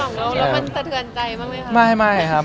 ส่องแล้วมันสะเทือนใจบ้างไหมครับ